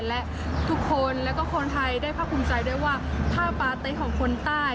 และทุกคนแล้วก็คนไทยได้ภาคภูมิใจได้ว่าผ้าปาเต๊ะของคนใต้